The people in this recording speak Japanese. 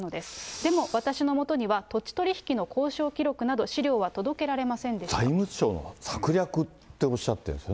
でも私のもとには土地取り引きの交渉記録など、資料は届けられま財務省の策略っておっしゃってるんですね。